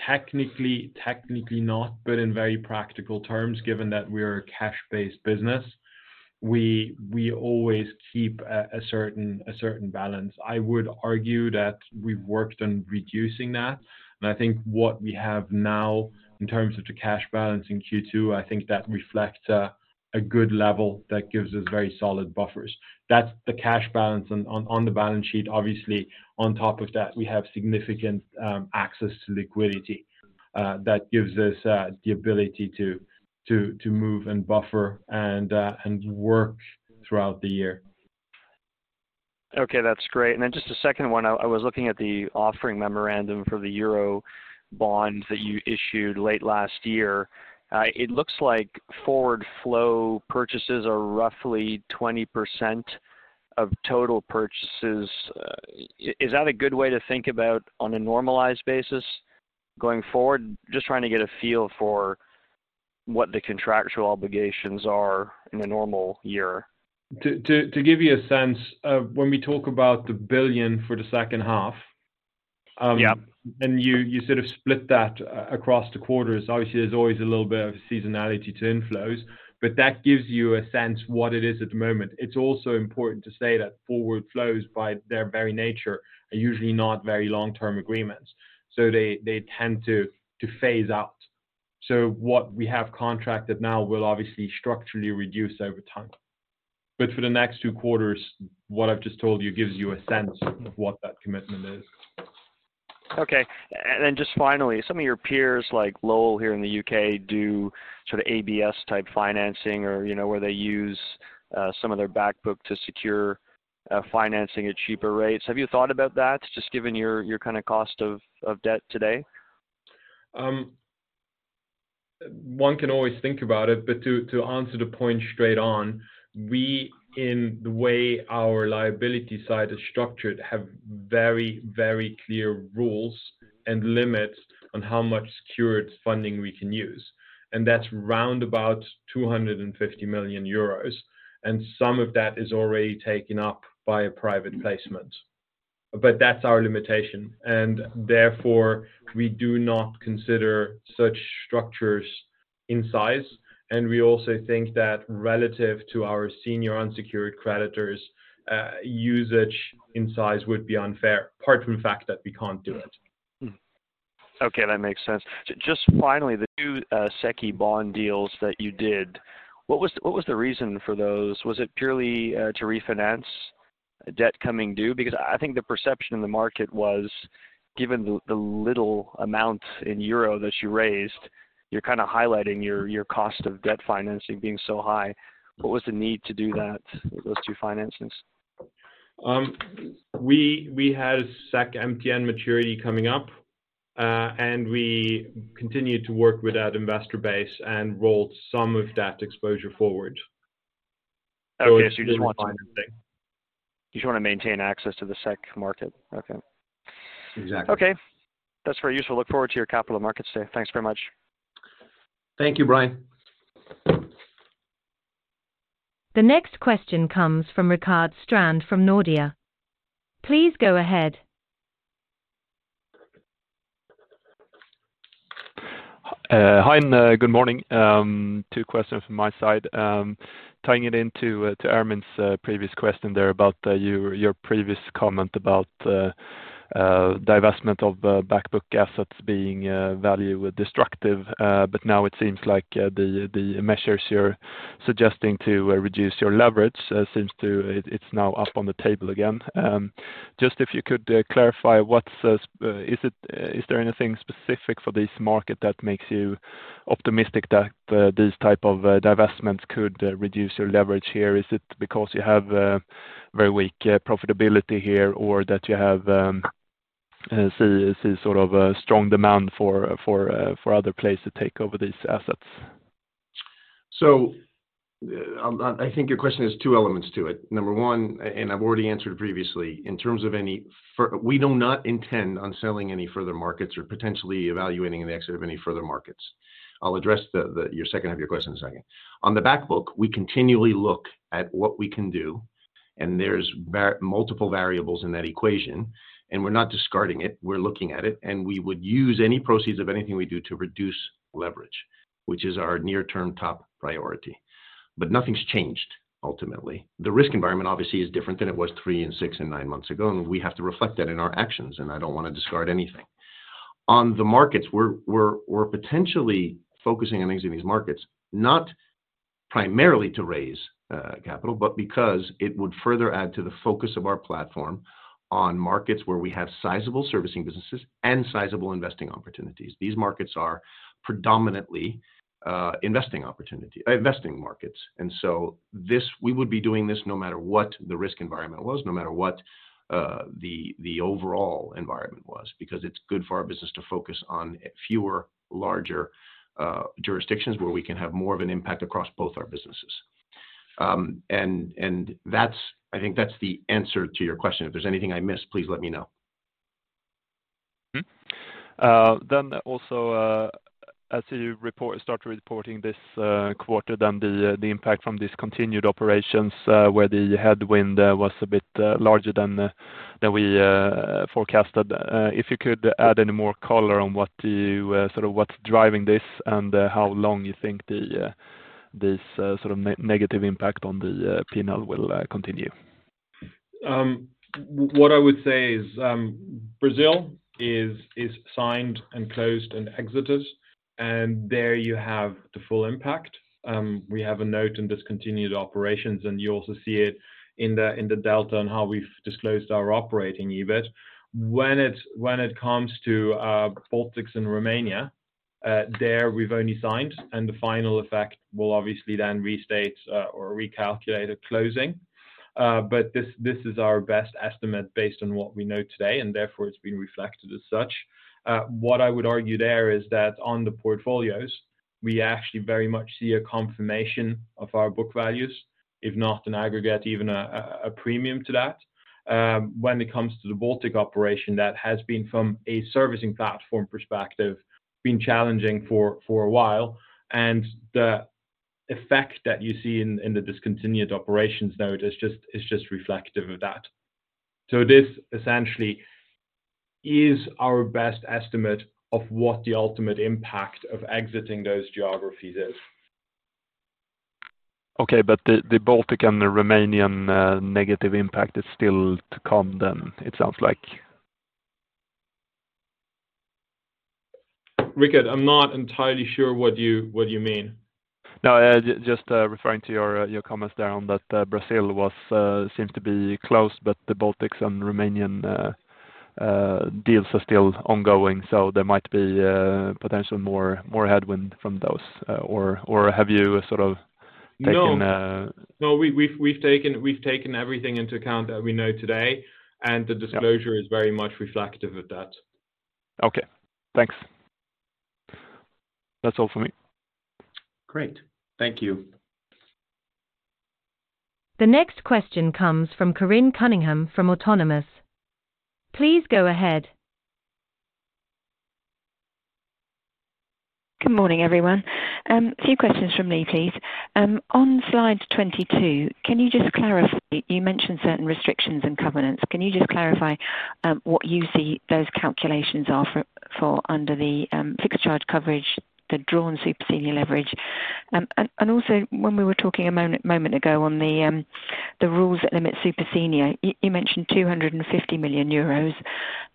Technically, technically not, but in very practical terms, given that we're a cash-based business, we always keep a certain balance. I would argue that we've worked on reducing that, and I think what we have now in terms of the cash balance in Q2, I think that reflects a good level that gives us very solid buffers. That's the cash balance on the balance sheet. Obviously, on top of that, we have significant access to liquidity that gives us the ability to move and buffer and work throughout the year. Okay, that's great. Just a second one. I was looking at the offering memorandum for the euro bonds that you issued late last year. It looks like forward flow purchases are roughly 20% of total purchases. Is that a good way to think about on a normalized basis going forward? Just trying to get a feel for what the contractual obligations are in a normal year. To give you a sense, when we talk about 1 billion for the second half. Yeah You sort of split that across the quarters. Obviously, there's always a little bit of seasonality to inflows, but that gives you a sense what it is at the moment. It's also important to say that forward flows, by their very nature, are usually not very long-term agreements, so they tend to phase out. What we have contracted now will obviously structurally reduce over time. For the next two quarters, what I've just told you gives you a sense of what that commitment is. Just finally, some of your peers, like Lowell here in the U.K., do sort of ABS-type financing or, you know, where they use some of their back book to secure financing at cheaper rates. Have you thought about that, just given your kinda cost of debt today? One can always think about it, but to answer the point straight on, we, in the way our liability side is structured, have very, very clear rules and limits on how much secured funding we can use, and that's around about 250 million euros, and some of that is already taken up by a private placement. That's our limitation, and therefore, we do not consider such structures in size, and we also think that relative to our senior unsecured creditors, usage in size would be unfair, apart from the fact that we can't do it. Okay, that makes sense. Just finally, the two secured bond deals that you did, what was the reason for those? Was it purely to refinance debt coming due? I think the perception in the market was, given the little amount in EUR that you raised, you're kinda highlighting your cost of debt financing being so high. What was the need to do that, those two financings?... We had SEK MTN maturity coming up, and we continued to work with that investor base and rolled some of that exposure forward. Okay. You just want- It's fine. You just want to maintain access to the SEK market. Okay. Exactly. Okay. That's very useful. Look forward to your Capital Markets Day. Thanks very much. Thank you, Brien. The next question comes from Rickard Strand from Nordea. Please go ahead. Hi, and good morning. Two questions from my side. Tying it into Ermin's previous question there about your previous comment about divestment of back book assets being value destructive. Now it seems like the measures you're suggesting to reduce your leverage, it's now up on the table again. Just if you could clarify what's the... Is there anything specific for this market that makes you optimistic that these type of divestments could reduce your leverage here? Is it because you have a very weak profitability here, or that you have see sort of a strong demand for other players to take over these assets? I think your question has two elements to it. Number one, and I've already answered previously, in terms of any we do not intend on selling any further markets or potentially evaluating an exit of any further markets. I'll address your second half of your question in a second. On the back book, we continually look at what we can do, and there's multiple variables in that equation, and we're not discarding it, we're looking at it, and we would use any proceeds of anything we do to reduce leverage, which is our near-term top priority. Nothing's changed, ultimately. The risk environment, obviously, is different than it was three and six and nine months ago, and we have to reflect that in our actions, and I don't want to discard anything. On the markets, we're potentially focusing on exiting these markets, not primarily to raise capital, but because it would further add to the focus of our platform on markets where we have sizable servicing businesses and sizable investing opportunities. These markets are predominantly investing opportunity, investing markets. This, we would be doing this no matter what the risk environment was, no matter what the overall environment was, because it's good for our business to focus on fewer, larger jurisdictions where we can have more of an impact across both our businesses. That's, I think that's the answer to your question. If there's anything I missed, please let me know. Also, as you start reporting this quarter, then the impact from discontinued operations, where the headwind was a bit larger than we forecasted. If you could add any more color on what do you, sort of what's driving this and, how long you think the, this, sort of negative impact on the, P&L will, continue? What I would say is, Brazil is signed and closed and exited, and there you have the full impact. We have a note in discontinued operations, and you also see it in the delta on how we've disclosed our operating EBIT. When it comes to Baltics and Romania, there we've only signed, and the final effect will obviously then restate or recalculate at closing. This is our best estimate based on what we know today, and therefore, it's been reflected as such. What I would argue there is that on the portfolios, we actually very much see a confirmation of our book values, if not an aggregate, even a premium to that. When it comes to the Baltic operation, that has been, from a servicing platform perspective, been challenging for a while, and the effect that you see in the discontinued operations note is just reflective of that. This essentially is our best estimate of what the ultimate impact of exiting those geographies is. Okay, the Baltic and the Romanian negative impact is still to come then, it sounds like? Rickard, I'm not entirely sure what you mean? No, just referring to your comments there on that Brazil was seems to be closed, but the Baltics and Romanian deals are still ongoing, so there might be potentially more headwind from those. Have you sort of taken No. No, we've taken everything into account that we know today. Yeah disclosure is very much reflective of that. Okay, thanks. That's all for me. Great. Thank you. The next question comes from Corinne Cunningham from Autonomous. Please go ahead. Good morning, everyone. A few questions from me, please. On slide 22, can you just clarify, you mentioned certain restrictions and covenants. Can you just clarify, what you see those calculations are for under the fixed charge coverage, the drawn super senior leverage? Also when we were talking a moment ago on the rules that limit super senior, you mentioned 250 million euros,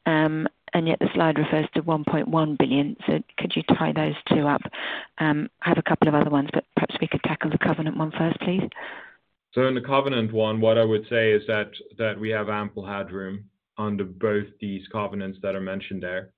and yet the slide refers to 1.1 billion. Could you tie those two up? I have a couple of other ones, but perhaps we could tackle the covenant one first, please. On the covenant one, what I would say is that we have ample headroom under both these covenants that are mentioned there.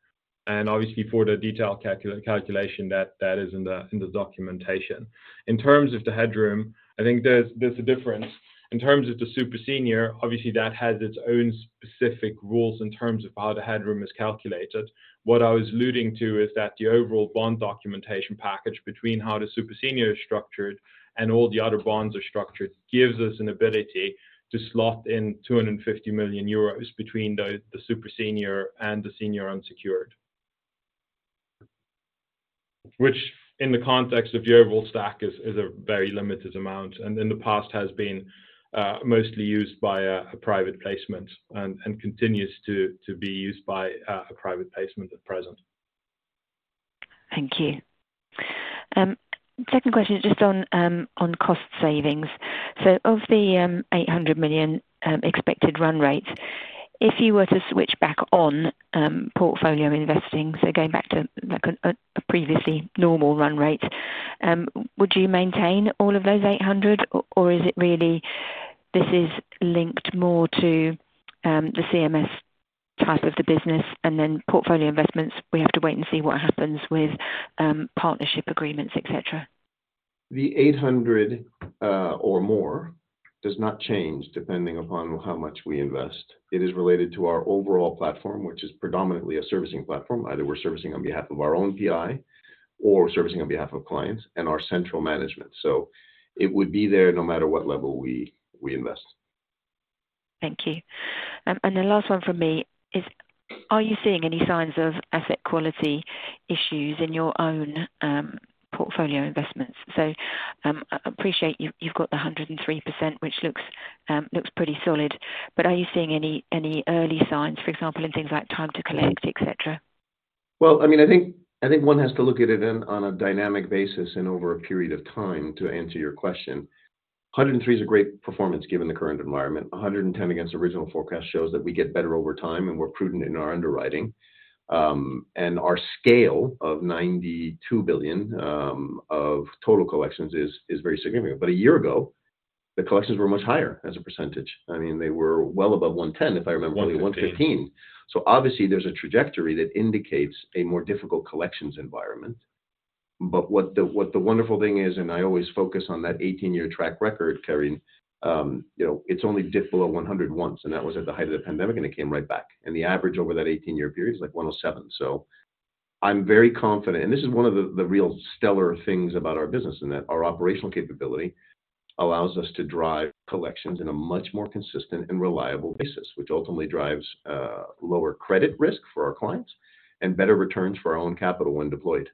Obviously for the detailed calculation that is in the documentation. In terms of the headroom, I think there's a difference. In terms of the super senior, obviously, that has its own specific rules in terms of how the headroom is calculated. What I was alluding to is that the overall bond documentation package between how the super senior is structured and all the other bonds are structured, gives us an ability to slot in 250 million euros between the super senior and the senior unsecured. Which in the context of the overall stack is a very limited amount, and in the past has been mostly used by a private placement and continues to be used by a private placement at present. Thank you. Second question is just on cost savings. Of the 800 million expected run rate, if you were to switch back on portfolio investing, going back to a previously normal run rate, would you maintain all of those 800 million, or is it really this is linked more to the CMS type of the business and then portfolio investments, we have to wait and see what happens with partnership agreements, et cetera? The 800, or more does not change depending upon how much we invest. It is related to our overall platform, which is predominantly a servicing platform. Either we're servicing on behalf of our own PI or servicing on behalf of clients and our central management. It would be there no matter what level we invest. Thank you. The last one from me is, are you seeing any signs of asset quality issues in your own, portfolio investments? I appreciate you've got the 103%, which looks pretty solid, but are you seeing any early signs, for example, in things like time to collect, etc.? Well, I mean, I think one has to look at it on a dynamic basis and over a period of time to answer your question. 103% is a great performance given the current environment. 110% against original forecast shows that we get better over time, and we're prudent in our underwriting. And our scale of 92 billion of total collections is very significant. A year ago, the collections were much higher as a percentage. I mean, they were well above 110%, if I remember correctly, 115%. Obviously there's a trajectory that indicates a more difficult collections environment. What the, what the wonderful thing is, and I always focus on that 18-year track record, Corinne, you know, it's only dipped below 100 once, and that was at the height of the pandemic, and it came right back. The average over that 18-year period is, like, 107. I'm very confident. This is one of the real stellar things about our business, in that our operational capability allows us to drive collections in a much more consistent and reliable basis, which ultimately drives lower credit risk for our clients and better returns for our own capital when deployed.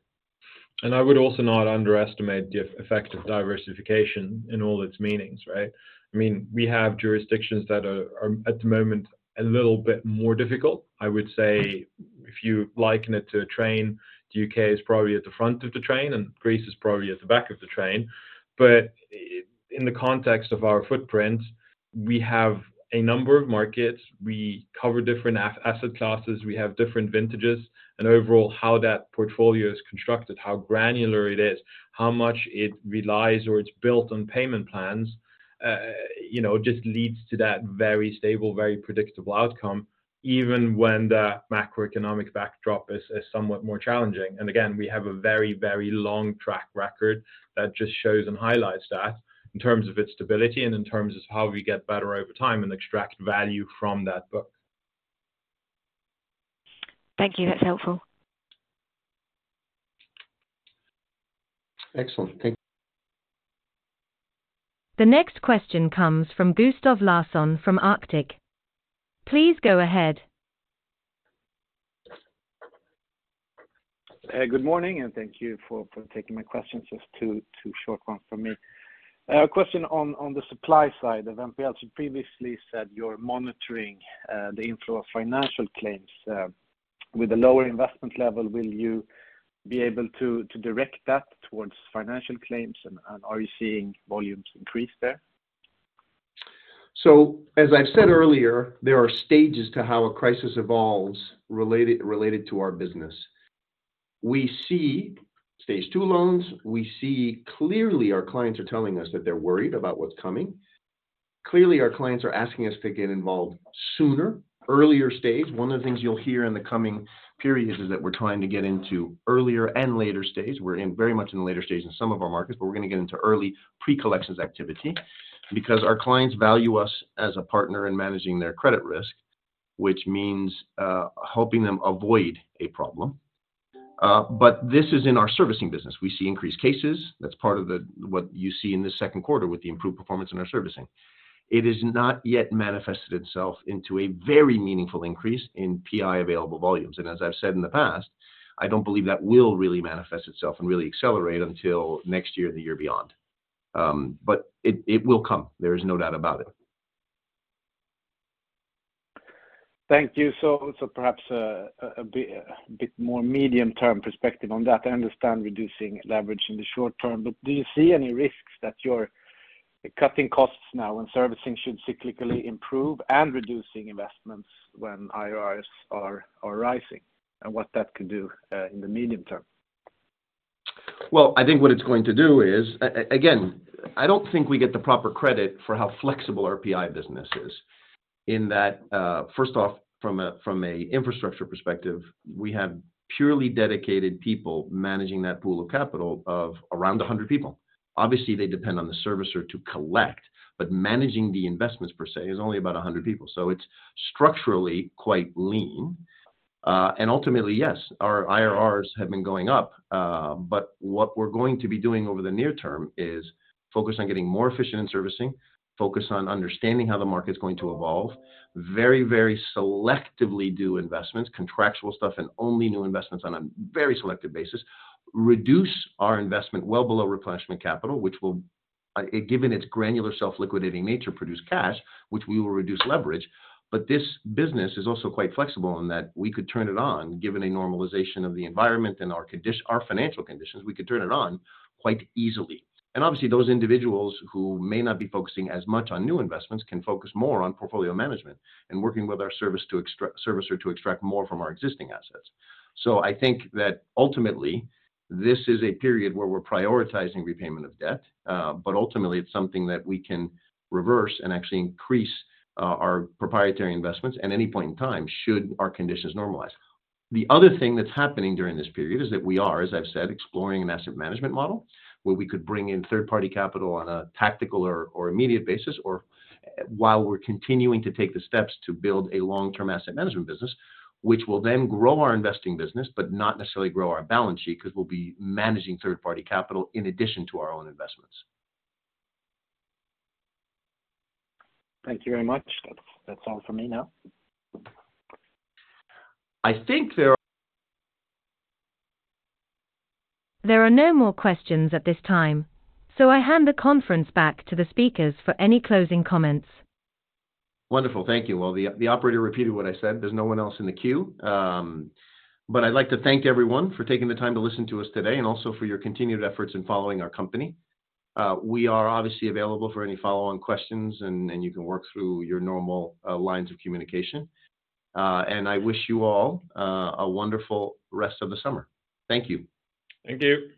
I would also not underestimate the effect of diversification in all its meanings, right? I mean, we have jurisdictions that are, at the moment, a little bit more difficult. I would say, if you liken it to a train, the U.K. is probably at the front of the train, and Greece is probably at the back of the train. In the context of our footprint, we have a number of markets. We cover different asset classes, we have different vintages, and overall, how that portfolio is constructed, how granular it is, how much it relies or it's built on payment plans, you know, just leads to that very stable, very predictable outcome, even when the macroeconomic backdrop is somewhat more challenging. Again, we have a very, very long track record that just shows and highlights that in terms of its stability and in terms of how we get better over time and extract value from that book. Thank you. That's helpful. Excellent. The next question comes from Gustav Larsson from Arctic. Please go ahead. Good morning, and thank you for taking my questions. Just two short ones from me. A question on the supply side. As MP also previously said, you're monitoring the inflow of financial claims. With the lower investment level, will you be able to direct that towards financial claims, and are you seeing volumes increase there? As I've said earlier, there are stages to how a crisis evolves related to our business. We see stage two loans. We see clearly our clients are telling us that they're worried about what's coming. Clearly, our clients are asking us to get involved sooner, earlier stage. One of the things you'll hear in the coming periods is that we're trying to get into earlier and later stage. We're in very much in the later stage in some of our markets, we're gonna get into early pre-collections activity because our clients value us as a partner in managing their credit risk, which means helping them avoid a problem. This is in our servicing business. We see increased cases. That's part of what you see in the second quarter with the improved performance in our servicing. It has not yet manifested itself into a very meaningful increase in PI available volumes. As I've said in the past, I don't believe that will really manifest itself and really accelerate until next year or the year beyond. It will come. There is no doubt about it. Thank you. Perhaps a bit more medium-term perspective on that. I understand reducing leverage in the short term, but do you see any risks that you're cutting costs now when servicing should cyclically improve and reducing investments when IRRs are rising, and what that could do in the medium term? Well, I think what it's going to do is, again, I don't think we get the proper credit for how flexible our PI business is. In that, first off, from a infrastructure perspective, we have purely dedicated people managing that pool of capital of around 100 people. Obviously, they depend on the servicer to collect, but managing the investments per se is only about 100 people. It's structurally quite lean. Ultimately, yes, our IRRs have been going up, but what we're going to be doing over the near term is focus on getting more efficient in servicing, focus on understanding how the market's going to evolve, very selectively do investments, contractual stuff, and only new investments on a very selective basis. Reduce our investment well below replenishment capital, which will, given its granular, self-liquidating nature, produce cash, which we will reduce leverage. This business is also quite flexible in that we could turn it on, given a normalization of the environment and our financial conditions, we could turn it on quite easily. Obviously, those individuals who may not be focusing as much on new investments can focus more on portfolio management and working with our servicer to extract more from our existing assets. I think that ultimately, this is a period where we're prioritizing repayment of debt, but ultimately it's something that we can reverse and actually increase our proprietary investments at any point in time should our conditions normalize. The other thing that's happening during this period is that we are, as I've said, exploring an asset management model, where we could bring in third-party capital on a tactical or immediate basis, or while we're continuing to take the steps to build a long-term asset management business, which will then grow our investing business, but not necessarily grow our balance sheet, because we'll be managing third-party capital in addition to our own investments. Thank you very much. That's all from me now. I think there are-. There are no more questions at this time, so I hand the conference back to the speakers for any closing comments. Wonderful. Thank you. Well, the operator repeated what I said, there's no one else in the queue. I'd like to thank everyone for taking the time to listen to us today, and also for your continued efforts in following our company. We are obviously available for any follow-on questions, and you can work through your normal lines of communication. I wish you all a wonderful rest of the summer. Thank you. Thank you.